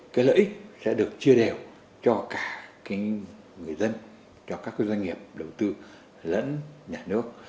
cái lợi ích sẽ được chia đều cho cả người dân cho các doanh nghiệp đầu tư lẫn nhà nước